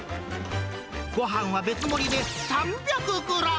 ごはんは別盛りで３００グラム。